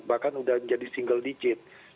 bahkan sudah menjadi single digit